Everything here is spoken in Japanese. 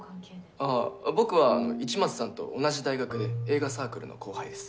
ああ僕は市松さんと同じ大学で映画サークルの後輩です。